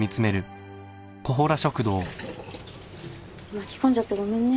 巻き込んじゃってごめんね。